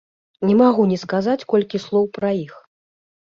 Не магу не сказаць колькі слоў пра іх.